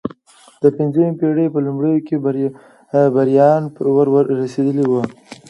د پنځمې پېړۍ په لومړیو کې بربریان ور رسېدلي وو.